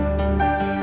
ate bisa menikah